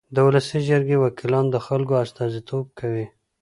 د ولسي جرګې وکیلان د خلکو استازیتوب کوي.